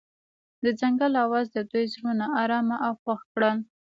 د ځنګل اواز د دوی زړونه ارامه او خوښ کړل.